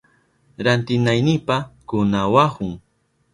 Rantinaynipa kunawahun.